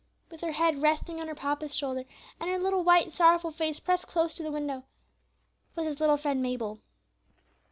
With her head resting on her papa's shoulder, and her little white sorrowful face pressed close to the window, was his little friend Mabel.